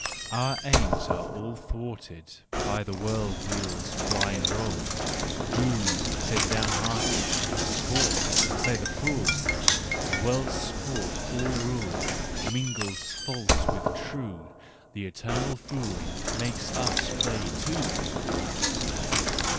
Our aims all are thwarted By the World wheel's blind roll: " Doom," says the downhearted, " Sport," says the fool. The World sport, all ruling, Mingles false with true: The Eternally Fooling Makes us play, too